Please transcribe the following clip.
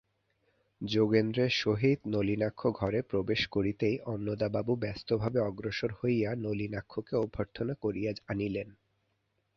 যোগেন্দ্রের সহিত নলিনাক্ষ ঘরে প্রবেশ করিতেই অন্নদাবাবু ব্যস্তভাবে অগ্রসর হইয়া নলিনাক্ষকে অভ্যর্থনা করিয়া আনিলেন।